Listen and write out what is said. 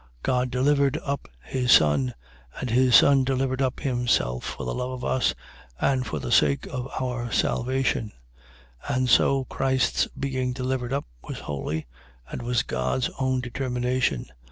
.God delivered up his Son; and his Son delivered up himself, for the love of us, and for the sake of our salvation; and so Christ's being delivered up was holy, and was God's own determination.